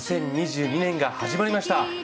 ２０２２年が始まりました。